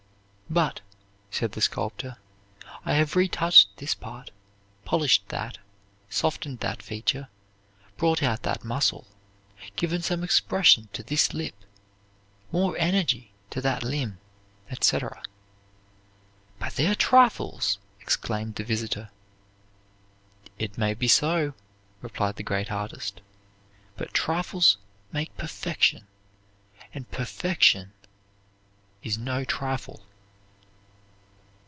"But," said the sculptor, "I have retouched this part, polished that, softened that feature, brought out that muscle, given some expression to this lip, more energy to that limb, etc." "But they are trifles!" exclaimed the visitor. "It may be so," replied the great artist, "but trifles make perfection, and perfection is no trifle."